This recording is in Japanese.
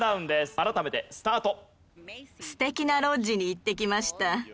改めてスタート。